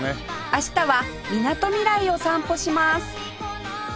明日はみなとみらいを散歩します